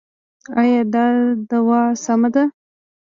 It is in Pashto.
ایا دا دوا سمه ده؟